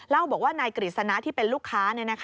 บอกว่านายกฤษณะที่เป็นลูกค้า